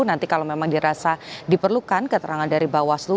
nanti kalau memang dirasa diperlukan keterangan dari bawaslu